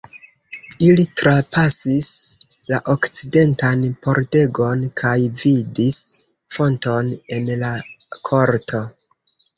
Ili trapasis la okcidentan pordegon kaj vidis fonton en la korto.